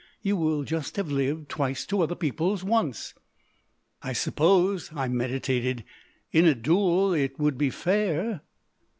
You will just have lived twice to other people's once " "I suppose," I meditated, "in a duel it would be fair?"